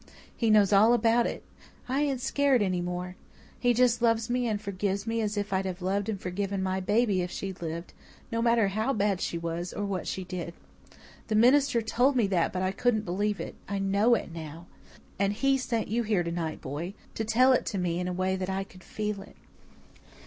He knows all about it. I ain't skeered any more. He just loves me and forgives me as I'd have loved and forgiven my baby if she'd lived, no matter how bad she was, or what she did. The minister told me that but I couldn't believe it. I KNOW it now. And He sent you here to night, boy, to tell it to me in a way that I could feel it."